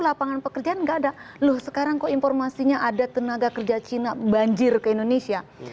lapangan pekerjaan enggak ada loh sekarang kok informasinya ada tenaga kerja cina banjir ke indonesia